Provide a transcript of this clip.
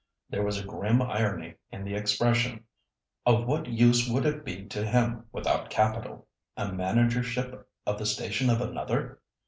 There was a grim irony in the expression—of what use would it be to him without capital? A managership of the station of another?